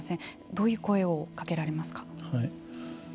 どういう声をかけられますか。